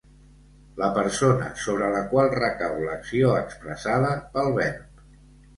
La persona sobre la qual recau l'acció expressada pel verb.